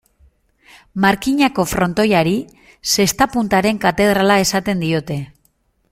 Markinako frontoiari, zesta-puntaren katedrala esaten diote.